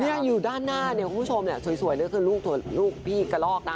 นี่อยู่ด้านหน้าเนี่ยคุณผู้ชมเนี่ยสวยนี่คือลูกพี่กระลอกนะ